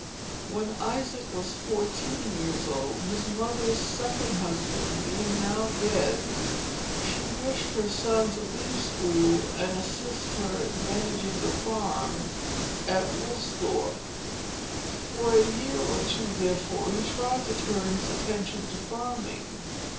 When Isaac was fourteen years old, his mother's second husband being now dead, she wished her son to leave school, and assist her in managing the farm at Woolsthorpe. For a year or two, therefore, he tried to turn his attention to farming.